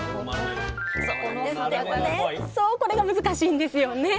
でもねこれが難しいんですよね！